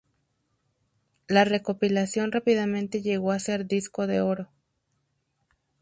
La recopilación rápidamente llegó a ser disco de oro.